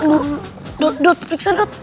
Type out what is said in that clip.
dut dut periksa dut